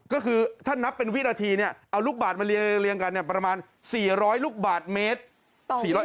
ก็คือถ้านับเป็นวินาทีเนี่ยเอาลูกบาทมาเรียงกันประมาณ๔๐๐ลูกบาทเมตร